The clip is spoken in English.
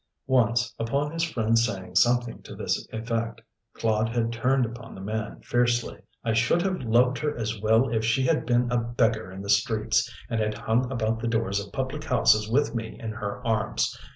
Once, upon his friend saying something to this effect, Claude had turned upon the man fiercely: "I should have loved her as well if she had been a beggar in the streets, and had hung about the doors of public houses with me in her arms.